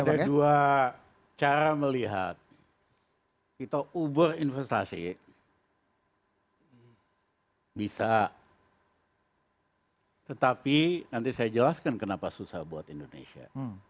ada dua cara melihat kita ubur investasi bisa tetapi nanti saya jelaskan kenapa susah buat indonesia